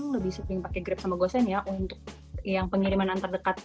lebih suka yang pakai grab sama gosen ya untuk yang pengirimanan terdekat